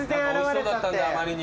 おいしそうだったんであまりに。